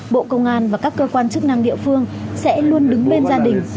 bộ công an và các cơ quan chức năng địa phương sẽ luôn đứng bên gia đình